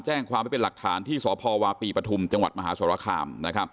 แจ้งความไว้เป็นหลักฐานที่สพวาปีปฐุมจังหวัดมหาสรคาม